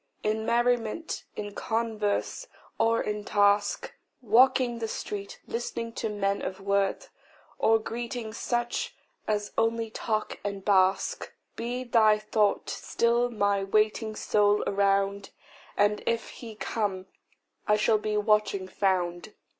In merriment, in converse, or in task, Walking the street, listening to men of worth, Or greeting such as only talk and bask, Be thy thought still my waiting soul around, And if He come, I shall be watching found.